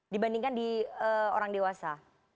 dibandingkan di orang dewasa